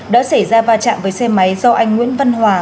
đã xảy ra va chạm với xe máy do anh nguyễn văn hòa